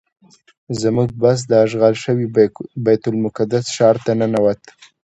زموږ بس د اشغال شوي بیت المقدس ښار ته ننوت.